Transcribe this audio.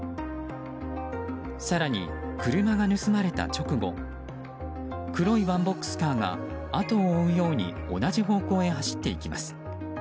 更に、車が盗まれた直後黒いワンボックスカーが後を追うように同じ方向へ走っていきます。